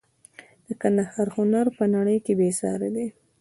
د ګندهارا هنر په نړۍ کې بې ساري دی